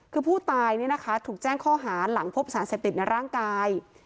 คือผู้ตายถูกแจ้งข้อหาหลังพบสารเสพติดในร่างกาย